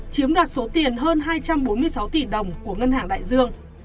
chiếm đoạt số tiền hơn hai trăm bốn mươi sáu tỷ đồng của ngân hàng đại dương